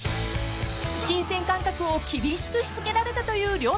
［金銭感覚を厳しくしつけられたという太さん］